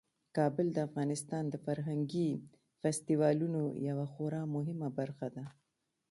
کابل د افغانستان د فرهنګي فستیوالونو یوه خورا مهمه برخه ده.